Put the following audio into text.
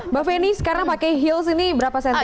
mbak feni sekarang pakai heels ini berapa cm